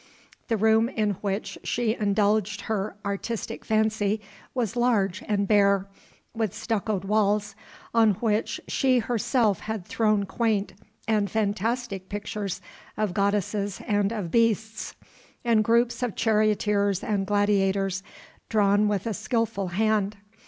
The room in which she indulged her artistic fancy was large and bare, with stuccoed walls on which she herself had thrown quaint and fantastic pictures of goddesses and of beasts, and groups of charioteers and gladiators, drawn with a skilful hand.